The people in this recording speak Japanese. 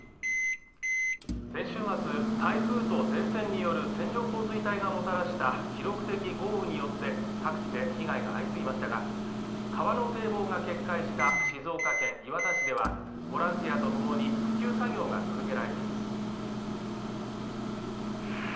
先週末、台風と前線による線状降水帯がもたらした記録的豪雨によって各地で被害が相次ぎましたが、川の堤防が決壊した静岡県磐田市ではボランティアとともに、復旧作業が続けられています。